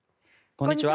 こんにちは。